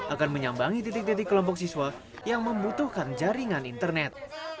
akan menyambangi titik titik kelompok siswa yang membutuhkan jaringan internet